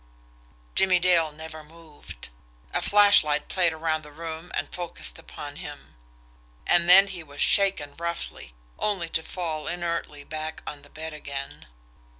Jimmie Dale never moved. A flashlight played around the room and focused upon him and then he was shaken roughly only to fall inertly back on the bed again.